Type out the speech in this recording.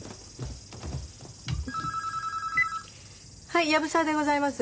☎はい藪沢でございます。